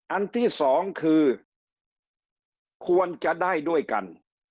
อันที่สองคือควรจะได้ด้วยกัน